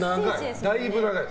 だいぶ長い。